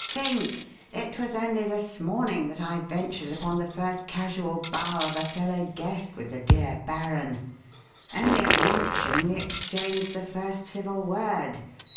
"Think! it was only this morning that I ventured upon the first casual bow of a fellow guest with the dear 'Baron'; only at luncheon we exchanged the first civil word.